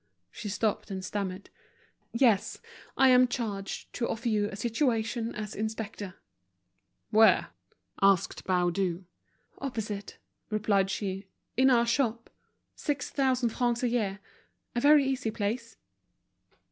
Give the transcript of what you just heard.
She stopped, and stammered. "Yes, I am charged to offer you a situation as inspector." "Where?" asked Baudu. "Opposite," replied she; "in our shop. Six thousand francs a year; a very easy place."